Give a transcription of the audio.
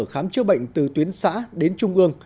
khám chữa bệnh từ tuyến xã đến trung ương